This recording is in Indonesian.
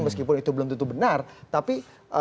meskipun itu belum tentu benar tapi